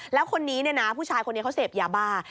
แล้วคนนี้นะผู้ชายคนนี้เขาเสพหยาบา